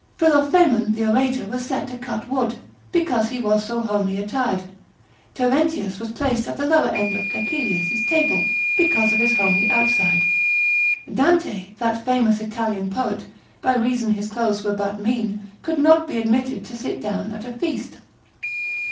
Philophaemen the orator was set to cut wood, because he was so homely attired, Terentius was placed at the lower end of Cecilius' table, because of his homely outside. Dante, that famous Italian poet, by reason his clothes were but mean, could not be admitted to sit down at a feast.